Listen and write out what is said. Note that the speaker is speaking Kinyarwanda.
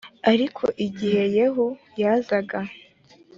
ariko igihe yehu yazaga